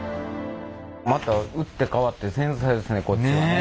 また打って変わって繊細ですね